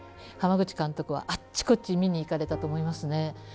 濱口監督はあっちこっち見に行かれたと思いますね。